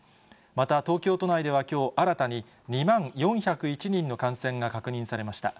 また東京都内ではきょう、新たに２万４０１人の感染が確認されました。